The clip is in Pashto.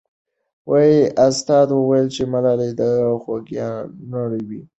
استاد وویل چې ملالۍ د خوګیاڼیو وه.